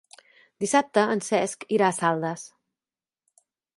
Dissabte en Cesc irà a Saldes.